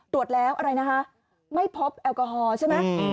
ตรวจแล้วอะไรนะคะไม่พบแอลกอฮอล์ใช่ไหม